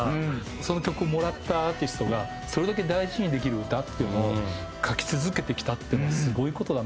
その曲をもらったアーティストがそれだけ大事にできる歌っていうのを書き続けてきたっていうのはすごい事だなと思います。